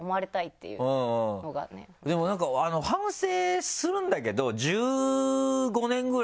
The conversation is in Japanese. でもなんか反省するんだけど。